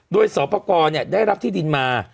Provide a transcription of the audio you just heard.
โดยสอบพกรเนี่ยได้รับที่ดินมา